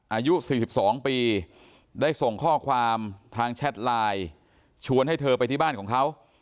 อายุ๔๒ปีได้ส่งข้อความทางแชทไลน์ชวนให้เธอไปที่บ้านของเขา